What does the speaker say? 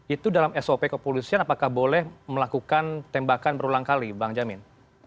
itu dalam sop kepolisian apakah boleh melakukan tembakan berulang kali bang jamin